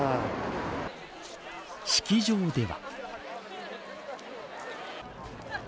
式場では。